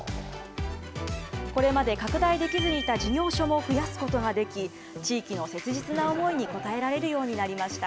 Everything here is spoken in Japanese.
これまで拡大できずにいた事業所も増やすことができ、地域の切実な思いに応えられるようになりました。